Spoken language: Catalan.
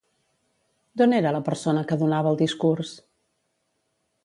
D'on era la persona que donava el discurs?